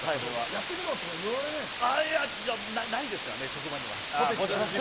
やってみろとか言われないんですか？